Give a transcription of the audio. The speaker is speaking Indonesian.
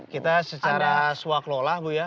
kita secara swak lola bu ya